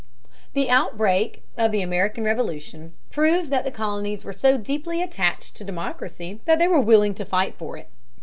The outbreak of the American Revolution proved that the colonies were so deeply attached to democracy that they were willing to fight for it.